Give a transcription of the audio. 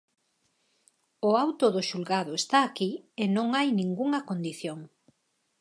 O auto do xulgado está aquí e non hai ningunha condición.